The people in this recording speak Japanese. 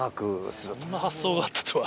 そんな発想があったとは。